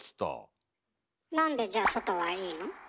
なんでじゃあ外はいいの？